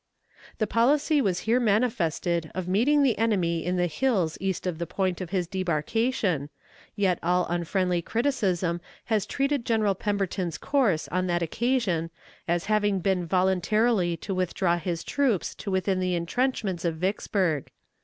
The policy was here manifested of meeting the enemy in the hills east of the point of his debarkation, yet all unfriendly criticism has treated General Pemberton's course on that occasion as having been voluntarily to withdraw his troops to within the intrenchments of Vicksburg.